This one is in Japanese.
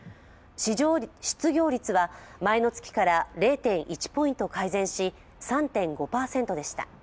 失業率は前の月から０．１ポイント改善し３．５％でした。